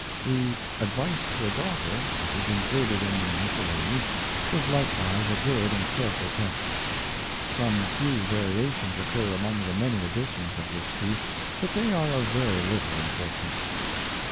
The Advice to a Daughter, which is included in the Mis cellanies, is likewise a good and careful text. Some few variations occur among the many editions of this piece, but they are of very little importance.